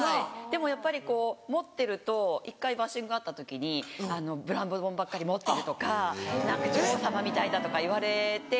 でもやっぱりこう持ってると１回バッシングあった時にブランド物ばっかり持ってるとか女王様みたいだとか言われて。